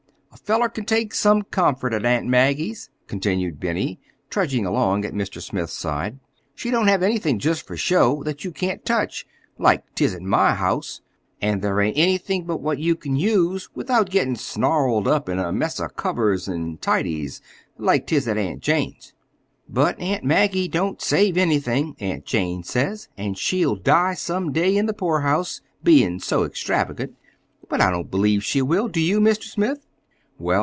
A feller can take some comfort at Aunt Maggie's," continued Benny, trudging along at Mr. Smith's side. "She don't have anythin' just for show, that you can't touch, like 'tis at my house, and there ain't anythin' but what you can use without gettin' snarled up in a mess of covers an' tidies, like 'tis at Aunt Jane's. But Aunt Maggie don't save anythin', Aunt Jane says, an' she'll die some day in the poor house, bein' so extravagant. But I don't believe she will. Do you, Mr. Smith?"